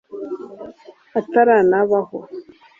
ataranabaho